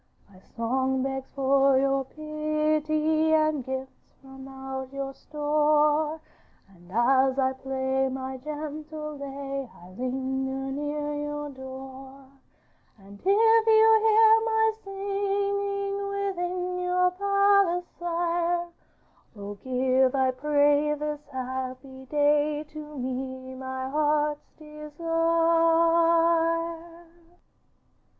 'My song begs for your pity, And gifts from out your store, And as I play my gentle lay I linger near your door. 'And if you hear my singing Within your palace, sire, Oh! give, I pray, this happy day, To me my heart's desire.